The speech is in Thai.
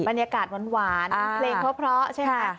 บรรยากาศหวานเพลงเพราะใช่ไหม